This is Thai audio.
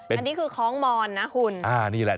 อันนี้คือค้องมอนนะคุณ